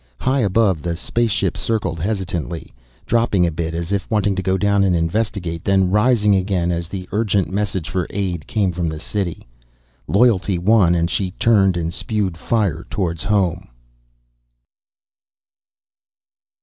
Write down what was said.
High above, the spaceship circled hesitantly. Dropping a bit as if wanting to go down and investigate. Then rising again as the urgent message for aid came from the city. Loyalty won and she turned and spewed fire towards home.